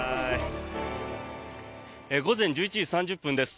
午前１１時３０分です。